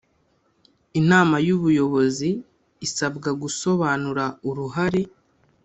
Inama y Ubuyobozi isabwa gusobanura uruhare